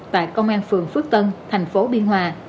tại công an phường phước tân tp biên hòa